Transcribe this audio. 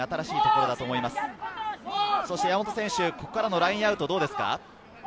ここからのラインアウトはどうですか？